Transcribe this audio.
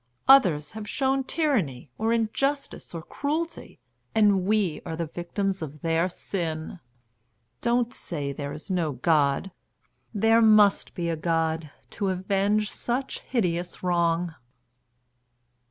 Others have shown tyranny, or injustice, or cruelty, and we are the victims of their sin. Don't say there is no God. There must be a God to avenge such hideous wrong."